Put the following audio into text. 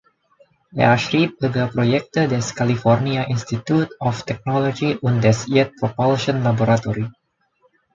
Er schrieb über Projekte des California Institute of Technology und des Jet Propulsion Laboratory.